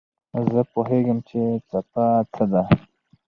زه پوهېږم چې څپه څه ده.